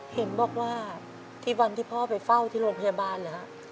เห็นบอกว่าที่วันที่พ่อไปเฝ้าที่โรงพยาบาลเหรอฮะ